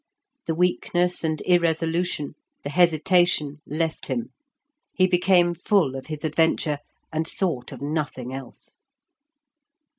The weakness and irresolution, the hesitation, left him. He became full of his adventure, and thought of nothing else.